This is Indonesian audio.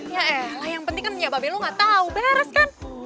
ya eh yang penting kan ya mbak bellu nggak tahu beres kan